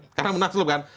sekarang menang seluruh kan